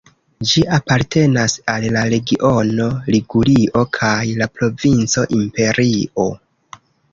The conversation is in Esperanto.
Ĝi apartenas al la regiono Ligurio kaj la provinco Imperio.